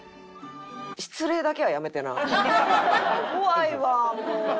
怖いわあもう！